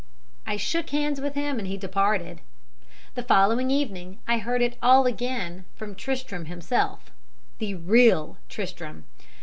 I shook hands with him and he departed. The following evening I heard it all again from Tristram himself the real Tristram.